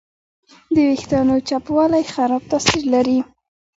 د وېښتیانو چپوالی خراب تاثیر لري.